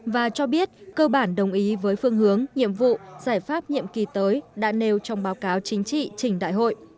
và cho biết cơ bản đồng ý với phương hướng nhiệm vụ giải pháp nhiệm kỳ tới đã nêu trong báo cáo chính trị trình đại hội